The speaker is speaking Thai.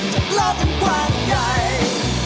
จากโลกกันขวางใหญ่